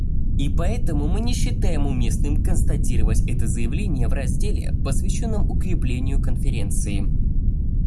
И поэтому мы не считаем уместным констатировать это заявление в разделе, посвященном укреплению Конференции.